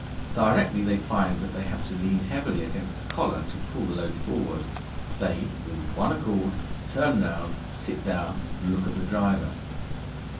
Directly they find that they have to lean heavily against the collar to pull the load forward, they, with one accord, turn round, sit down, and look at the driver.